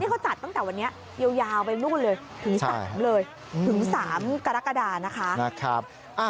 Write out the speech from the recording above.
นี่เขาจัดตั้งแต่วันนี้ยาวไปนู่นเลยถึง๓กรกฎานะคะ